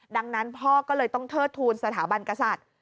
ดังนั้นพ่อก็เลยต้องเทิดทูลสถาบันกษัตริย์